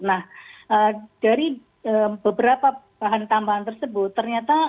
nah dari beberapa bahan tambahan tersebut ternyata